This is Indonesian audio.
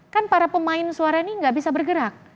kan para pemain suara ini nggak bisa bergerak